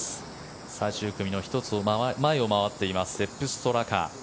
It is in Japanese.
最終組の１つ前を回っていますセップ・ストラカ。